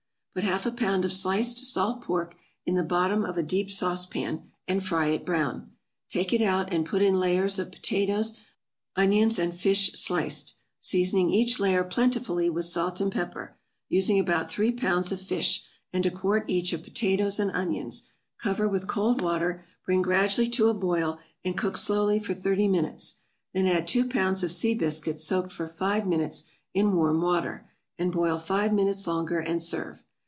= Put half a pound of sliced salt pork in the bottom of a deep sauce pan and fry it brown; take it out, and put in layers of potatoes, onions and fish sliced, seasoning each layer plentifully with salt and pepper; using about three pounds of fish, and a quart each of potatoes and onions; cover with cold water, bring gradually to a boil, and cook slowly for thirty minutes; then add two pounds of sea biscuits soaked for five minutes in warm water, and boil five minutes longer and serve.